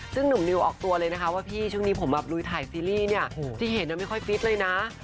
ซึ่งหนุ่มนิวออกตัวเลยนะคะว่าพี่ช่วงนี้ผมอาบลุยถ่ายซีรีส์เนี่ย